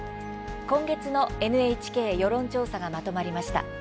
今月のＮＨＫ世論調査がまとまりました。